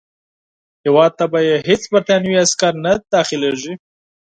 هیواد ته به یې هیڅ برټانوي عسکر نه داخلیږي.